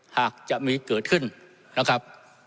หากจะมีเกิดขึ้นนะครับ